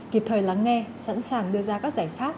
kịp thời lắng nghe sẵn sàng đưa ra các giải pháp